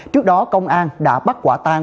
trước đó công an đã bắt quả tan